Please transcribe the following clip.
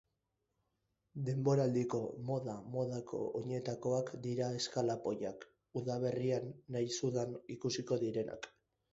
Denboraldiko moda-modako oinetakoak dira eskalapoiak, udaberrian nahiz udan ikusiko direnak.